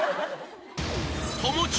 ［友近。